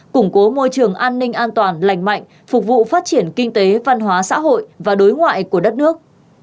củng cố môi trường an ninh an toàn lành mạnh phục vụ phát triển kinh tế văn hóa xã hội và đối ngoại của đất nước